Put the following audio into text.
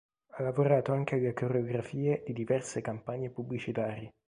Ha lavorato anche alle coreografie di diverse campagne pubblicitarie.